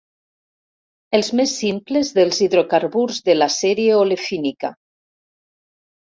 Els més simples dels hidrocarburs de la sèrie olefínica.